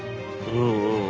うんうん